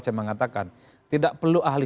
saya mengatakan tidak perlu ahli